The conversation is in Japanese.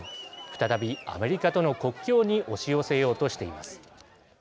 再びアメリカとの国境に押し寄せようとしています。